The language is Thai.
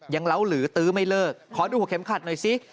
เล้าหรือตื้อไม่เลิกขอดูหัวเข็มขัดหน่อยสิ